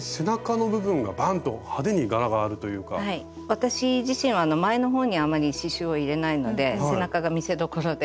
私自身前の方にあまり刺しゅうを入れないので背中が見せどころで。